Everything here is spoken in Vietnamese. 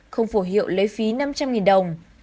không phổ hiệu lấy phí năm trăm linh đồng